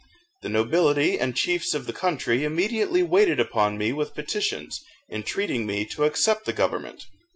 The nobility and chiefs of the country immediately waited upon me with petitions, entreating me to accept the government.